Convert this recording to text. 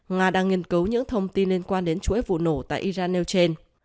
nga đang nghiên cấu những thông tin liên quan đến chuỗi vụ nổ tại iran eutane